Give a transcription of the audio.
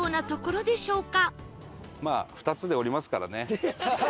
まあ２つで降りますからね。